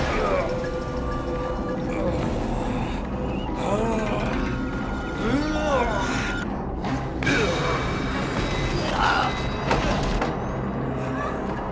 mas kita berhenti